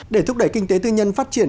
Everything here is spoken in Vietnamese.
để thúc đẩy kinh tế tư nhân phát triển